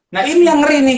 nah ini yang ngeri nih